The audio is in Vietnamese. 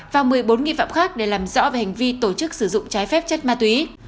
và một mươi bốn nghi phạm khác để làm rõ về hành vi tổ chức sử dụng trái phép chất ma túy